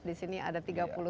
ini menarik sekali